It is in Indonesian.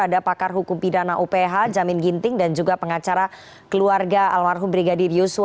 ada pakar hukum pidana uph jamin ginting dan juga pengacara keluarga almarhum brigadir yusuf